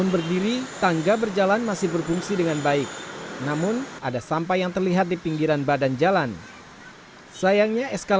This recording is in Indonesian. jepang jepang jepang